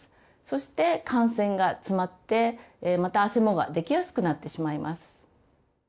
そして汗腺が詰まってまたあせもができやすくなってしまいます。